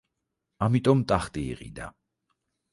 ამიტომ ტახტი იყიდა.